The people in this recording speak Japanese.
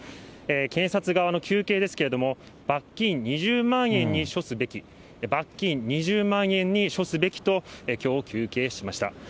検察側の求刑ですけれども、罰金２０万円に処すべき、罰金２０万円に処すべきときょう求刑しました。